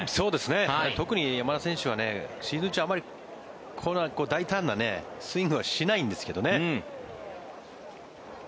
特に山田選手はシーズン中こんなに大胆なスイングはしないんですけどね。